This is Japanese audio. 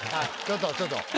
ちょっとちょっと。